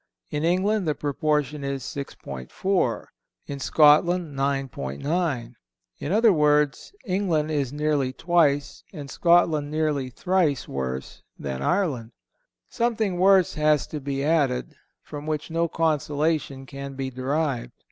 in England the proportion is 6.4; in Scotland 9.9; in other words, England is nearly twice, and Scotland nearly thrice worse, than Ireland. Something worse has to be added, from which no consolation can be derived.